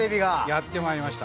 やってまいりました。